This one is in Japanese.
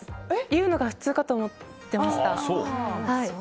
言うのが普通かと思っていました。